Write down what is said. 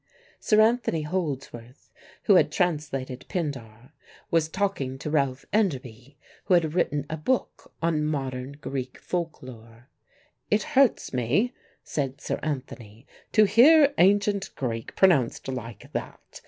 Sir Anthony Holdsworth, who had translated Pindar, was talking to Ralph Enderby, who had written a book on "Modern Greek Folk Lore." "It hurts me," said Sir Anthony, "to hear ancient Greek pronounced like that.